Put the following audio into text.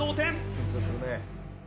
緊張するね。